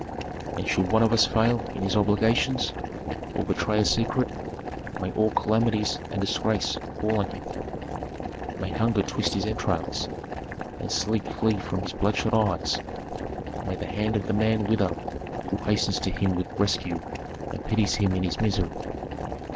"And should one of us fail in his obligations, or betray a secret, may all calamities and disgrace fall on him! May hunger twist his entrails, and sleep flee from his bloodshot eyes! May the hand of the man wither who hastens to him with rescue and pities him in his misery!